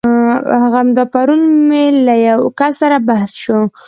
همدا پرون مې له يو کس سره بحث شو.